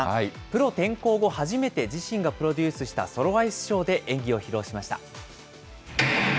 プロ転向後初めて自身がプロデュースしたソロアイスショーで演技を披露しました。